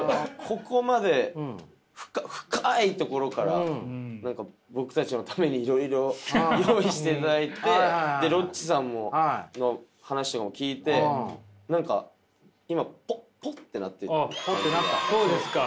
ここまで深いところから僕たちのためにいろいろ用意していただいてロッチさんの話も聞いてそうですか。